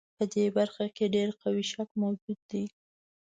په دې برخه کې ډېر قوي شک موجود دی.